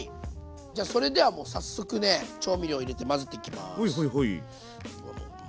じゃあそれではもう早速ね調味料入れて混ぜていきます。